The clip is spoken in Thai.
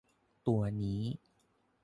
ตัวนี้